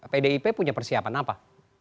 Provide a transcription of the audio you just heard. pdip punya persiapan apa